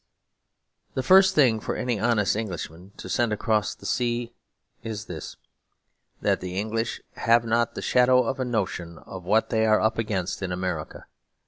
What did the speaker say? The first thing for any honest Englishman to send across the sea is this; that the English have not the shadow of a notion of what they are up against in America.